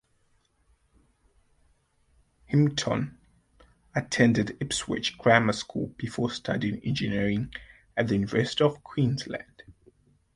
Hamilton attended Ipswich Grammar School before studying engineering at the University of Queensland.